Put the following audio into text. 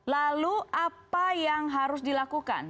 lalu apa yang harus dilakukan